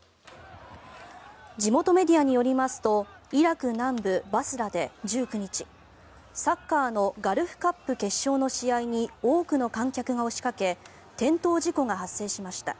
地元メディアによりますとイラク南部バスラで１９日サッカーのガルフカップ決勝の試合に多くの観客が押しかけ転倒事故が発生しました。